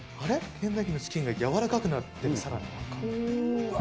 ケンタッキーのチキンが柔らかくなってる、さらに。